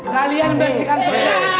kalian bersihkan toilet